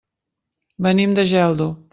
Venim de Geldo.